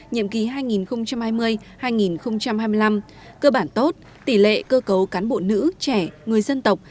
nhiệm kỳ hai nghìn hai mươi hai nghìn hai mươi năm cơ bản tốt tỷ lệ cơ cấu cán bộ nữ trẻ người dân tộc